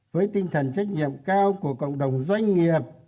với tinh thần trách nhiệm cao của cộng đồng doanh nghiệp